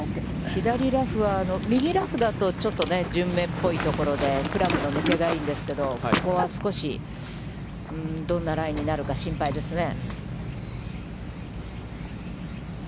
左ラフは右ラフだとちょっとね、順目っぽいところで、クラブの抜けがいいんですけど、ここは少し、どんなライになるか心配ですね。